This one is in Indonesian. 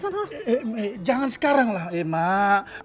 eh jangan sekaranglah mak